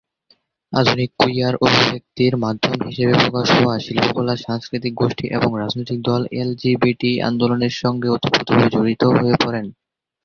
আধুনিক কুইয়ার অভিব্যক্তির মাধ্যম হিসাবে প্রকাশ হওয়া শিল্পকলা, সংস্কৃতিক গোষ্ঠী এবং রাজনৈতিক দল এলজিবিটি আন্দোলনের সঙ্গে ওতপ্রোতভাবে জড়িত হয়ে পড়ে।